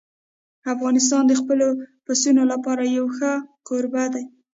افغانستان د خپلو پسونو لپاره یو ښه کوربه دی.